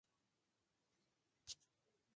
حقه لار د محمد ص به يې پيدا وي